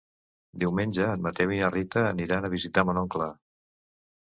Diumenge en Mateu i na Rita aniran a visitar mon oncle.